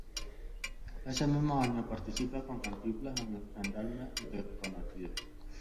Ese mismo año participa con Cantinflas en "El gendarme desconocido".